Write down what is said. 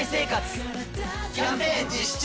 キャンペーン実施中！